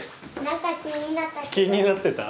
気になってた？